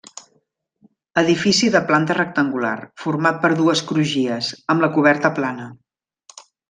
Edifici de planta rectangular, format per dues crugies, amb la coberta plana.